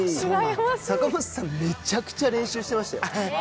坂本さん、めちゃくちゃ練習してましたよ。